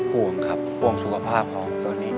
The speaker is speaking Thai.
ห่วงครับห่วงสุขภาพเขาตอนนี้